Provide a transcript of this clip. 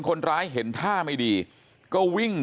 ทำให้สัมภาษณ์อะไรต่างนานไปออกรายการเยอะแยะไปหมด